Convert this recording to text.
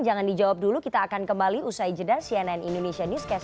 jangan dijawab dulu kita akan kembali usai jeda cnn indonesia newscast